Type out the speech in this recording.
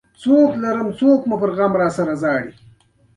او دا موږ پر عقلاني ارزښتونو ولاړ وي.